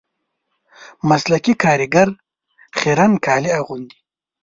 مسلکي کاریګر خیرن کالي اغوندي